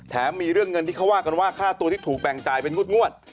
มีเรื่องเงินที่เขาว่ากันว่าค่าตัวที่ถูกแบ่งจ่ายเป็นงวด